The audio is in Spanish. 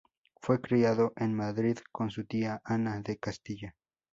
Fue criado en Madrid con su tía Ana de Castilla.